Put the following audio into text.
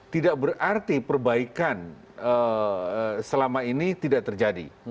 tidak berarti perbaikan selama ini tidak terjadi